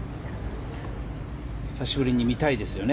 久しぶりに見たいですよね